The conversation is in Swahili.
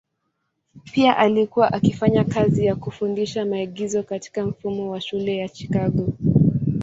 Pia alikuwa akifanya kazi ya kufundisha maigizo katika mfumo wa shule ya Chicago.